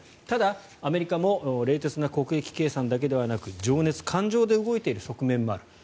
ただ、アメリカも冷徹な国益計算だけではなく情熱、感情で動いている側面もある。